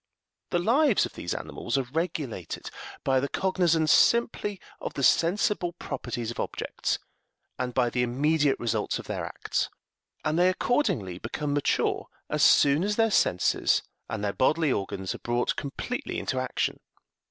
The lives of these animals are regulated by the cognizance simply of the sensible properties of objects, and by the immediate results of their acts, and they accordingly become mature as soon as their senses and their bodily organs are brought completely into action.